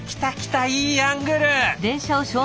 いいアングル！